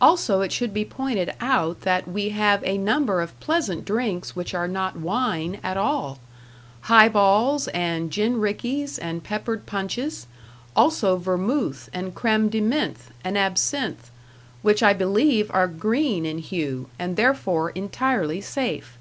Also, it should be pointed out that we have a number of pleasant drinks which are not wine at all "high balls" and "gin rickeys" and "peppered punches"; also #vermouthe and creme de menthe and absinthe#, which I believe, are green in hue, and therefore entirely safe.